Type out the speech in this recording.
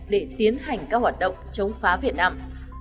để tiến hành các hoạt động chống phá việt nam